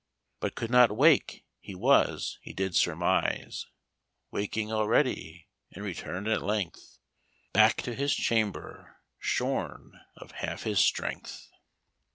But could not wake; he was, he did surmise, Waking already, and return'd at length Back to his chamber, shorn of half his strength."